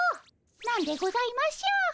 何でございましょう？